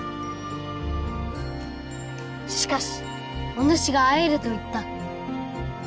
しかしおぬしが「会える」と言った。